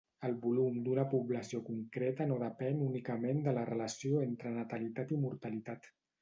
El volum d'una població concreta no depèn únicament de la relació entre natalitat i mortalitat.